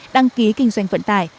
đăng ký kinh doanh vận tải